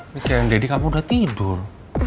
mikirin daddy kamu udah tidur